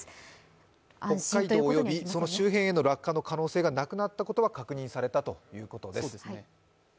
北海道およびその周辺への落下がなくなったことは確認されたということですね。